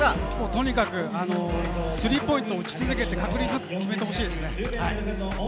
とにかくスリーポイントを打ち続けて、確率を決めてほしいですね。